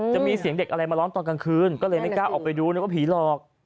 จะมีเสียงเด็กอะไรมาร้องตอนกลางคืนก็เลยไม่กล้าออกไปดูนึกว่าผีหลอก